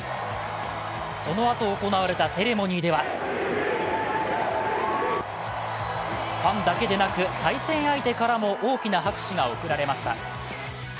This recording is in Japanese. そのあと行われたセレモニーではファンだけでなく対戦相手からも大きな拍手が送られました。